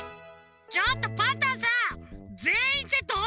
ちょっとパンタンさんぜんいんってどういうこと？